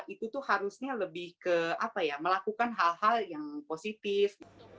itu tuh harusnya lebih ke melakukan hal hal yang positif